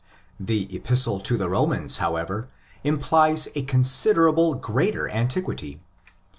The Epistle to the Romans, how ever, implies a considerably greater antiquity.